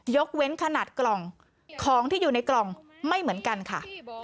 ยกเว้นขนาดกล่องของที่อยู่ในกล่องไม่เหมือนกันค่ะ